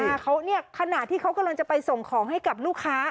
เนี่ยขณะที่เขากำลังจะไปส่งของให้กับลูกค้า